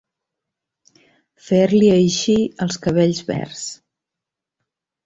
Fer-li eixir els cabells verds.